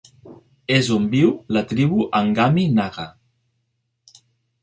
És on viu la tribu Angami Naga.